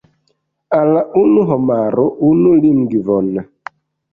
Al unu homaro unu lingvon.